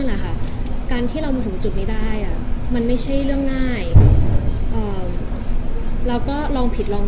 แหละค่ะการที่เรามาถึงจุดไม่ได้มันไม่ใช่เรื่องง่ายเราก็ลองผิดลอง